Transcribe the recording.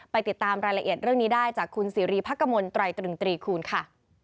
ติดตามรายละเอียดเรื่องนี้ได้จากคุณสิริพักกมลตรายตรึงตรีคูณค่ะ